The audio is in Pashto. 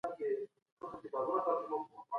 ماشومانو ته بايد د مطالعې عادت ورکړل سي.